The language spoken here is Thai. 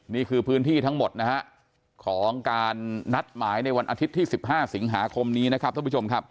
นี่คือพื้นที่ทั้งหมดนะฮะของการนัดหมายในวันอาทิตย์ที่๑๕สิงหาคมนี้นะครับท่านผู้ชมครับ